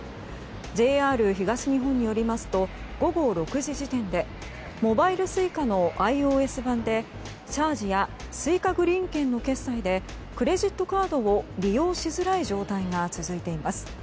ＪＲ東日本によりますと午後６時時点でモバイルＳｕｉｃａのｉＯＳ版でチャージやＳｕｉｃａグリーン券の決済でクレジットカードを利用しづらい状態が続いています。